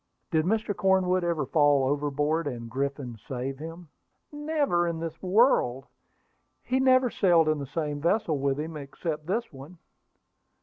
"Did Mr. Cornwood ever fall overboard, and Griffin save him?" "Never in this world! He never sailed in the same vessel with him, except this one."